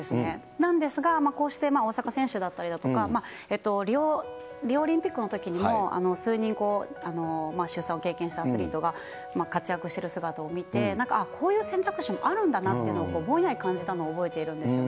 なんですが、こうして大坂選手だったりだとか、リオオリンピックのときにも数人、出産を経験したアスリートが活躍している姿を見て、こういう選択肢もあるんだなというのを、ぼんやり感じたのを覚えているんですよね。